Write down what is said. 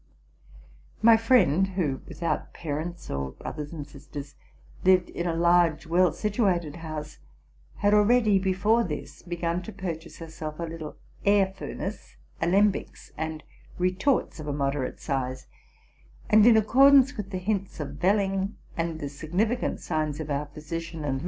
My friend, who, without parents or brothers and sisters, lived in a large, well situated house, had already before this begun to purchase herself a little air furnace, alembics, and retorts of moderate size, and, in accordance with the hints of Welling, and the significant signs of our physician and RELATING TO MY LIFE.